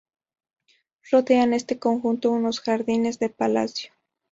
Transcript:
Rodean este conjunto unos jardines de palacio.